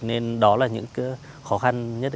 nên đó là những khó khăn nhất